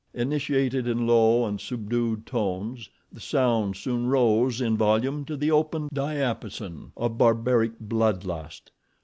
Initiated in low and subdued tones, the sound soon rose in volume to the open diapason of barbaric blood lust.